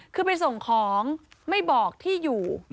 คือไปส่งของไม่บอกที่อยู่